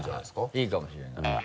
いいかもしれない。